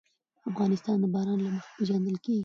افغانستان د باران له مخې پېژندل کېږي.